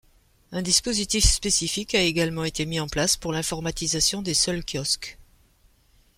Un dispositif spécifique a également été mis en place pour l'informatisation des seuls kiosques.